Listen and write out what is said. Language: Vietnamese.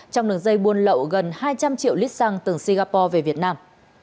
trong đường dây buôn lậu gần hai trăm linh triệu lít xăng từ singapore về việt nam